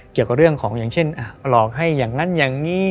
เกี่ยวกับเรื่องของอย่างเช่นหลอกให้อย่างนั้นอย่างนี้